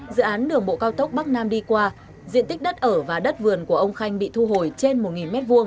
dự án đường bộ cao tốc bắc nam đi qua diện tích đất ở và đất vườn của ông khanh bị thu hồi trên một m hai